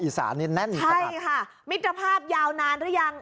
อีสานนี่แน่นใช่ค่ะมิตรภาพยาวนานหรือยัง